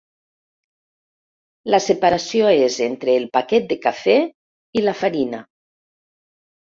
La separació és entre el paquet de cafè i la farina.